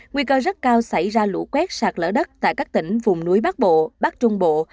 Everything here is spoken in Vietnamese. nguy cơ rất cao xảy ra lũ quét sạt lở đất tại các tỉnh vùng núi bắc bộ bắc trung bộ